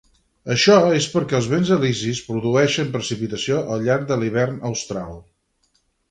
Això és perquè els vents alisis produeixen precipitació al llarg de l'hivern austral.